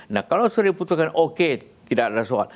nah kalau sudah diputuskan oke tidak ada soal